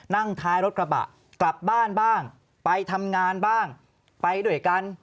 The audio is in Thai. นั่งท้ายรถกระบะกลับบ้านบ้างไปทำงานบ้างไปด้วยกัน